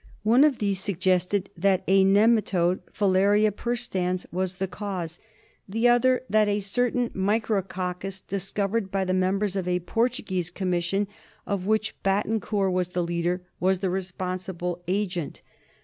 One of these suggested that a nematode, Filaria perstans, was the cause ; the other that a certain micro coccus, Il8 THE SLEEPING SICKNESS. discovered by the members of a Portuguese commission, of which Battencour was the leader, was the responsible agent.